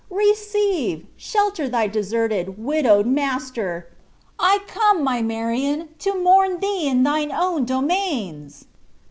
Receive shelter thy deserted, widowed master! I come, my Marion, to mourn thee in thine own domains!"